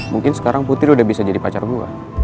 mungkin sekarang putri udah bisa jadi pacar gue